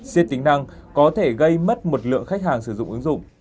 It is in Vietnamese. xiết tính năng có thể gây mất một lượng khách hàng sử dụng ứng dụng